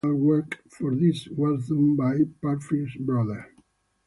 The architectural work for this was done by the Parfitt Brothers.